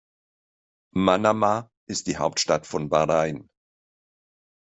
Manama ist die Hauptstadt von Bahrain.